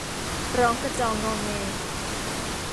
ร้องกระจองอแง